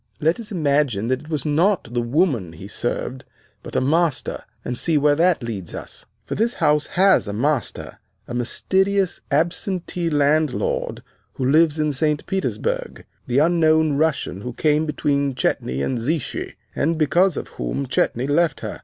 Let us imagine that it was not the woman he served, but a master, and see where that leads us. For this house has a master, a mysterious, absentee landlord, who lives in St. Petersburg, the unknown Russian who came between Chetney and Zichy, and because of whom Chetney left her.